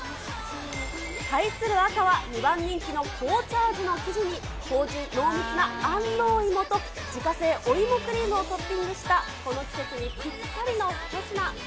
対する赤は、２番人気の紅茶味の生地に、芳じゅん、濃密な安納芋と、自家製お芋クリームをトッピングしたこの季節にぴったりな一品。